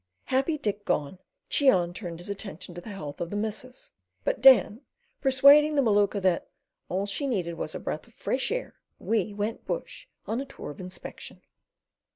Happy Dick gone, Cheon turned his attention to the health of the missus; but Dan, persuading the Maluka that "all she needed was a breath of fresh air," we went bush on a tour of inspection.